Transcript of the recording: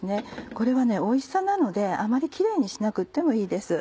これはおいしさなのであまりキレイにしなくってもいいです。